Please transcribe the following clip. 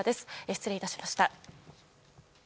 失礼いたしました。